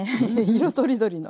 色とりどりの。